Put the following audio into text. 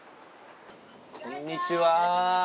こんにちは。